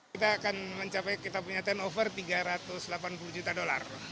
kita akan mencapai kita punya turnover tiga ratus delapan puluh juta dolar